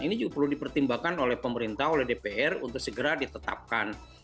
ini juga perlu dipertimbangkan oleh pemerintah oleh dpr untuk segera ditetapkan